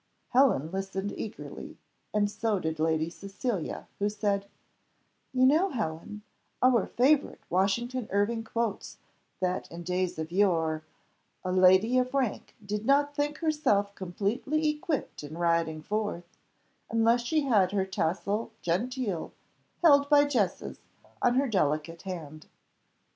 Helen listened eagerly, and so did Lady Cecilia, who said, "You know, Helen, our favourite Washington Irving quotes that in days of yore, 'a lady of rank did not think herself completely equipped in riding forth, unless she had her tassel gentel held by jesses on her delicate hand.